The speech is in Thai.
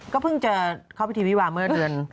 เพิ่งจะเข้าพิธีวิวาเมื่อเดือน